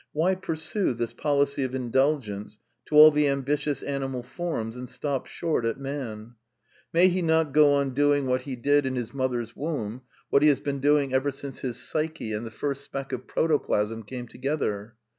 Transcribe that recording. Why pursue this policy of indulgence to all the ambitious animal forms and stop short at man ? May he not go on doing what he did CONCLUSIONS 329 in his mother's womb, what he has been doing ever since his psyche and the first speck of protoplasm came together?